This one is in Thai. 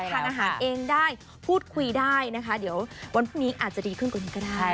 ทานอาหารเองได้พูดคุยได้นะคะเดี๋ยววันพรุ่งนี้อาจจะดีขึ้นกว่านี้ก็ได้